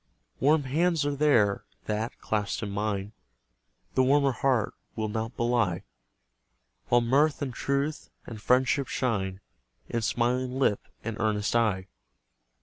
Warm hands are there, that, clasped in mine, The warmer heart will not belie; While mirth, and truth, and friendship shine In smiling lip and earnest eye.